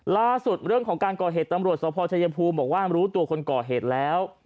ล่าสุดเรื่องของการก่อเหตุตำรวจสภชายภูมิบอกว่ารู้ตัวคนก่อเหตุแล้ว